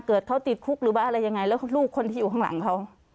เกิดเขาติดคุกหรือว่าอะไรยังไงแล้วลูกคนที่อยู่ข้างหลังเขา